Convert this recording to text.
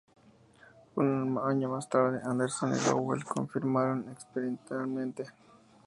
Un año más tarde Anderson y Rowell lo confirmaron experimentalmente.